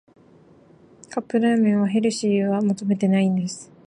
カップラーメンにヘルシーは求めてないんです